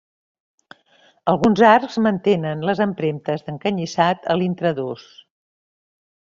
Alguns arcs mantenen les empremtes d'encanyissat a l'intradós.